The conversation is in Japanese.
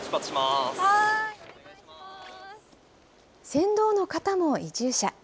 船頭の方も移住者。